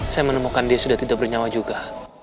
saya menemukan dia sudah tidak bernyawa juga